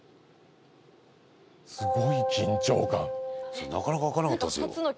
そうなかなか開かなかったんですよ